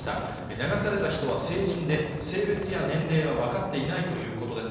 流された人は成人で、性別や年齢は分かっていないということです。